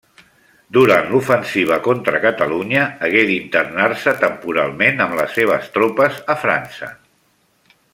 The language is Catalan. Durant l'ofensiva contra Catalunya, hagué d'internar-se temporalment, amb les seves tropes, a França.